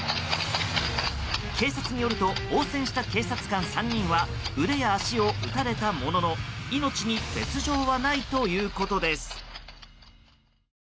警察によると応戦した警察官３人は腕や足を撃たれたものの命に別条はないということです。